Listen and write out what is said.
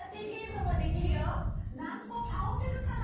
何個倒せるかな？